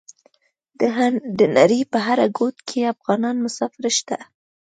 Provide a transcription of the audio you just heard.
د نړۍ په هر ګوټ کې افغانان مسافر شته.